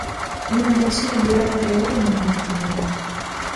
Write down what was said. Una lezione durava tre ore ogni mattina.